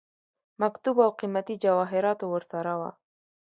مکتوب او قيمتي جواهراتو ورسره وه.